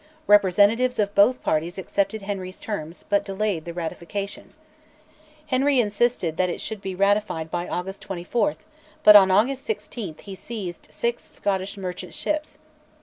Representatives of both parties accepted Henry's terms, but delayed the ratification. Henry insisted that it should be ratified by August 24, but on August 16 he seized six Scottish merchant ships.